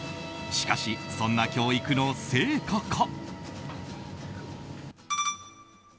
しかし、そんな教育の成果か。